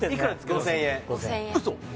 ５０００円ウソ！？